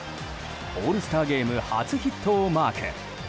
オールスターゲーム初ヒットをマーク。